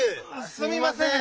すみません！